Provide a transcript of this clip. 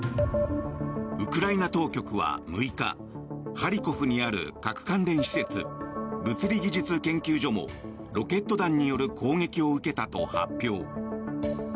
ウクライナ当局は６日ハリコフにある核関連施設物理技術研究所もロケット弾による攻撃を受けたと発表。